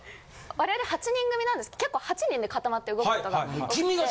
我々８人組なんです結構８人で固まって動く事が。